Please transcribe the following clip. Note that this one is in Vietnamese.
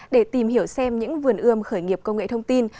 để tìm hiểu xem những vườn ươm khởi nghiệp công nghệ thông tin